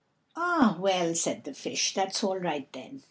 "Ah, well," said the Fish; "that's all right then.